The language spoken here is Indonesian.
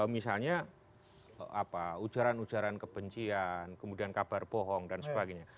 misalnya ujaran ujaran kebencian kemudian kabar bohong dan sebagainya